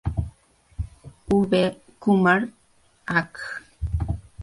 V. Kumar, Ak.